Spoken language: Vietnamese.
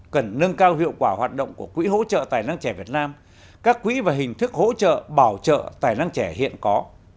cần nâng cao hiệu quả hoạt động của quỹ hỗ trợ tài năng trẻ việt nam các quỹ và hình thức hỗ trợ bảo trợ tài năng trẻ hiện có